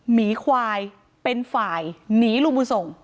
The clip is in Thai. หมีควายเป็นฝ่ายหนีลุงบุญส่ง